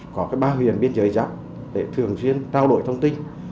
có ba huyện biên giới giáp để thường xuyên trao đổi thông tin